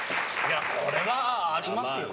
これはありますよね。